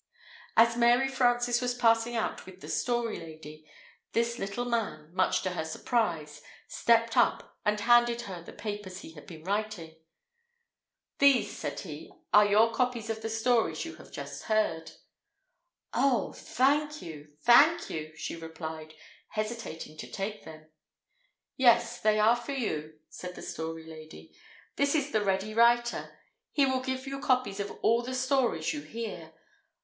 As Mary Frances was passing out with the Story Lady, this little man, much to her surprise, stepped up and handed her the papers he had been writing. "These," said he, "are your copies of the stories you have just heard." "Oh, thank you, thank you," she replied, hesitating to take them. "Yes, they are for you," said the Story Lady. "This is the Ready Writer; he will give you copies of all the stories you hear."